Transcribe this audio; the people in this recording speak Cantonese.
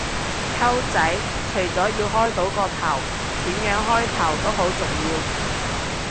溝仔，除咗要開到個頭，點樣開頭都好重要